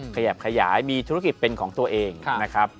ขยับขยายมีธุรกิจเป็นของตัวเองนะครับ